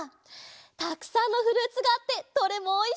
たくさんのフルーツがあってどれもおいしそうだな！